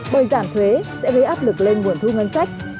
bởi giảm thuế sẽ gây áp lực lên nguồn thu ngân sách